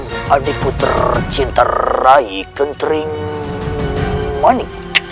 tengang adik puter cinta rai kentering mani